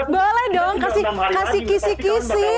boleh dong kasih kisi kisi